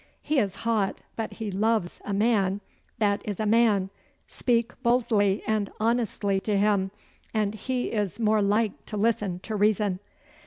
'He is hot, but he loves a man that is a man. Speak boldly and honestly to him, and he is more like to listen to reason.